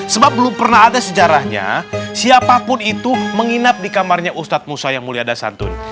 sebab belum pernah ada sejarahnya siapapun itu menginap di kamarnya ustadz musaimuli adasadun